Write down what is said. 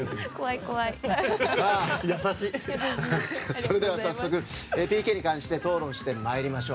それでは早速ＰＫに関して討論してまいりましょう。